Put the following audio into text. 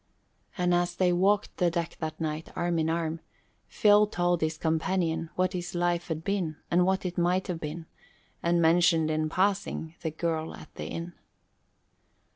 And as they walked the deck that night, arm in arm, Phil told his companion what his life had been and what it might have been, and mentioned, in passing, the girl at the inn.